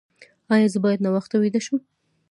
ایا زه باید ناوخته ویده شم؟